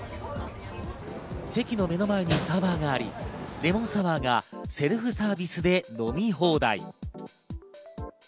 席の目の前にサーバーがあり、レモンサワーがセルフサービスで飲み放題。